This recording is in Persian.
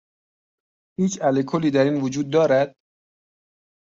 هیچ الکلی در این وجود دارد؟